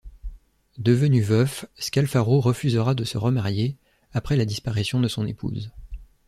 Devenu veuf, Scalfaro refusera de se remarier après la disparition de son épouse.